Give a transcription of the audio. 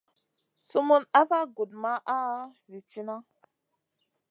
Sumun asa gudmaha zi tiyna.